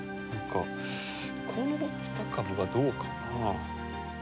この２株がどうかな。